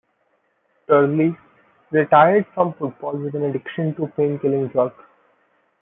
Turley retired from football with an addiction to pain-killing drugs.